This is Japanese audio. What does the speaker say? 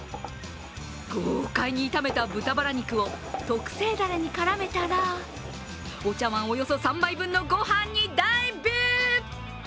豪快に炒めた豚バラ肉を、特製ダレに絡めたらお茶碗およそ３杯分のご飯にダイブ！